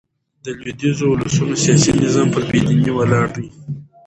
د لوېدیځو اولسونو سیاسي نظام پر بې دينۍ ولاړ دئ.